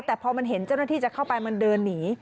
แต่พอมันเห็นเจ้าหน้าที่จะเข้าไปมันเดินหนี